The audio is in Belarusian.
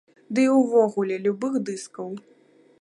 Ды і ўвогуле, любых дыскаў.